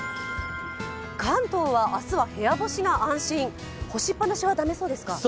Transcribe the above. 関東は明日は部屋干しが安心干しっぱなしは駄目そうですか。